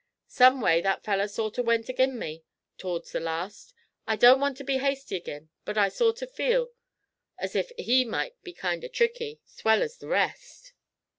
Someway that feller sort o' went ag'in' me, to'rds the last. I don't want to be hasty ag'in, but I sort o' feel as if he might be kind o' tricky, 's well's the rest.'